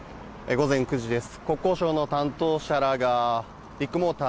午前９時です。